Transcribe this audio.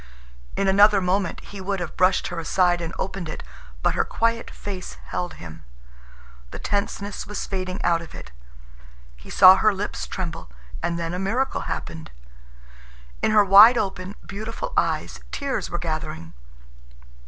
In another moment he would have brushed her aside and opened it, but her quiet face held him. The tenseness was fading out of it. He saw her lips tremble, and then a miracle happened. In her wide open, beautiful eyes tears were gathering.